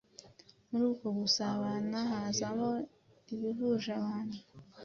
Muri uko gusabana hazamo ibihuje abantu,